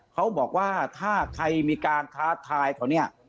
เขาบอกว่าถ้าใครมีการท้าทายเขาเนี่ย